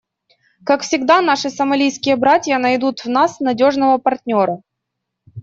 Как всегда, наши сомалийские братья найдут в нас надежного партнера.